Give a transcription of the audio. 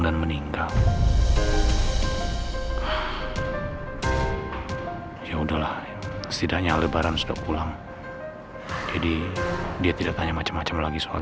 dan meninggal ya udahlah setidaknya lebaran sudah pulang jadi dia tidak tanya macam macam lagi soal